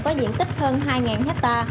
có diện tích hơn hai ha